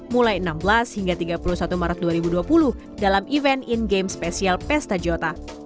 mulai enam belas hingga tiga puluh satu maret dua ribu dua puluh dalam event in game spesial pesta jota